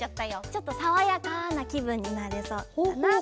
ちょっとさわやかなきぶんになれそうかなって。